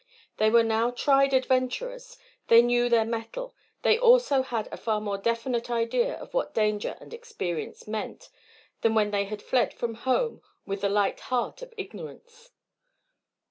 They were now tried adventurers; they knew their mettle; they also had a far more definite idea of what danger and experience meant than when they had fled from home with the light heart of ignorance.